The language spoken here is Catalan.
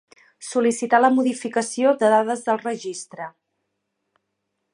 Sol·licitar la modificació de dades del Registre.